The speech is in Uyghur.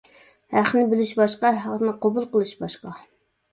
ھەقنى بىلىش باشقا، ھەقنى قوبۇل قىلىش باشقا.